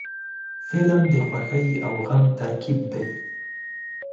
فلم د خوښۍ او غم ترکیب دی